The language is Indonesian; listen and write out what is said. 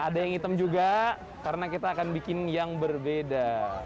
ada yang hitam juga karena kita akan bikin yang berbeda